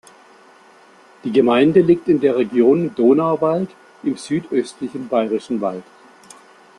Die Gemeinde liegt in der Region Donau-Wald im südöstlichen Bayerischen Wald.